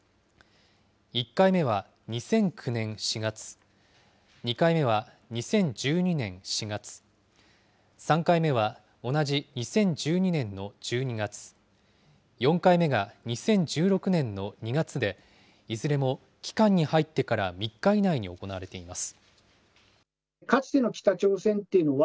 １回目は２００９年４月、２回目は２０１２年４月、３回目は同じ２０１２年の１２月、４回目が２０１６年の２月で、いずれも期間に入ってから３日以内に行われています。